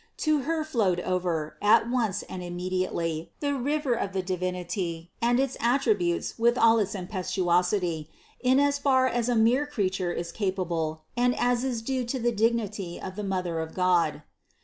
To Her flowed over, at once and immediately, the river of the Divinity and its attributes with all its impetuosity, in as far as a mere creature is capable and as is due to the dignity of the Mother of God.